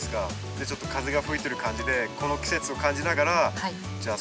ちょっと風が吹いてる感じでこの季節を感じながらじゃあ